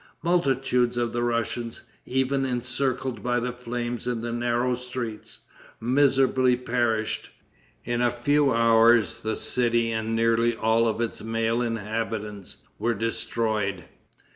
Multitudes of the Russians, even, encircled by the flames in the narrow streets, miserably perished. In a few hours the city and nearly all of its male inhabitants were destroyed.